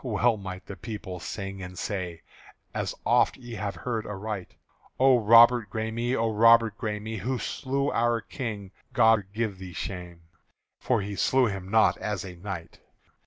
well might the people sing and say, As oft ye have heard aright: "O Robert Græme, O Robert Græme, Who slew our King, God give thee shame!" For he slew him not as a knight.)